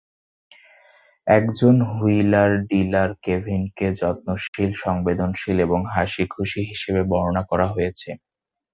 একজন wheeler dealer কেভিনকে যত্নশীল, সংবেদনশীল এবং হাসিখুশি হিসেবে বর্ণনা করা হয়েছে।